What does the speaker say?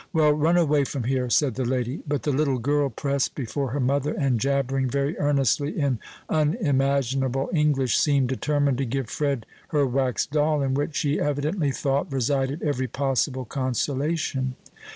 "Well, run away from here," said the lady; but the little girl pressed before her mother, and jabbering very earnestly in unimaginable English, seemed determined to give Fred her wax doll, in which, she evidently thought, resided every possible consolation.